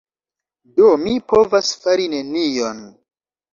Do mi povas fari nenion!